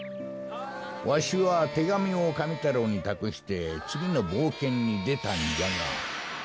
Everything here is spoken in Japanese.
わしはてがみをカメ太郎にたくしてつぎのぼうけんにでたんじゃが。